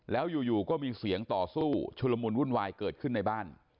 แล้วอยู่ก็มีเสียงต่อสู้ชุลมุนวุ่นวายเกิดขึ้นในบ้าน